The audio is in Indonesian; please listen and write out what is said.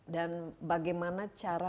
dan bagaimana cara